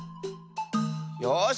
よし。